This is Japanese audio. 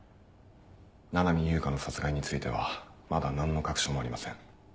七海悠香の殺害についてはまだ何の確証もありません。